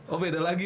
oh beda lagi